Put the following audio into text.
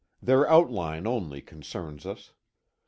Their outline only concerns us.